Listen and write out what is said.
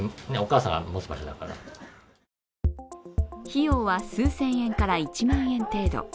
費用は数千円から１万円程度。